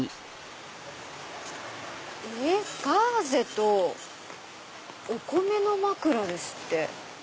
「ガーゼとお米のまくら」ですって。